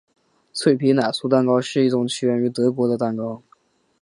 脆皮奶酥蛋糕是一种起源于德国的蛋糕。